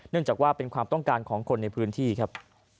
จากว่าเป็นความต้องการของคนในพื้นที่ครับ